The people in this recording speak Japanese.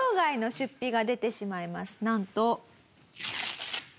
なんと。